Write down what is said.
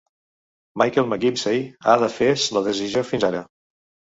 Michael McGimpsey ha defès la decisió fins ara.